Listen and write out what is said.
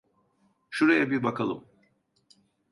Şuraya bir bakalım.